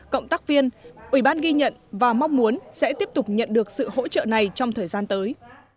cộng tác viên ủy ban ghi nhận và mong muốn sẽ tiếp tục nhận được sự hỗ trợ này trong thời gian tới